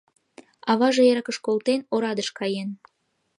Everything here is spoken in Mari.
Аваже эрыкыш колтен, орадыш каен...